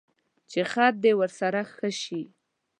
چې خط دې ورسره ښه شي.